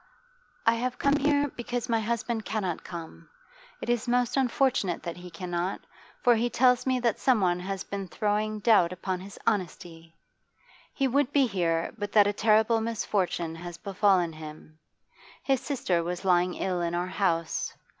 'I have come here because my husband cannot come. It is most unfortunate that he cannot, for he tells me that someone has been throwing doubt upon his honesty. He would be here, but that a terrible misfortune has befallen him. His sister was lying ill in our house.